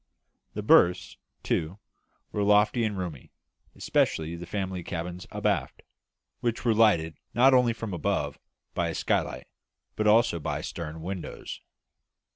The berths, too, were lofty and roomy, especially the family cabins abaft, which were lighted not only from above by a skylight, but also by stern windows.